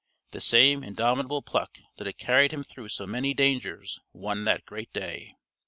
The same indomitable pluck that had carried him through so many dangers won that great day.